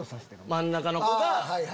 真ん中の子が。